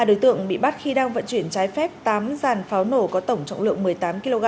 ba đối tượng bị bắt khi đang vận chuyển trái phép tám dàn pháo nổ có tổng trọng lượng một mươi tám kg